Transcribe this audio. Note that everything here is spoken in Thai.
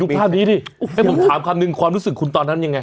ภาพนี้ดิให้ผมถามคำนึงความรู้สึกคุณตอนนั้นยังไง